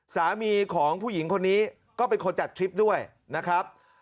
สามีของผู้หญิงคนนี้ก็เป็นคนจัดทริปด้วยนะครับ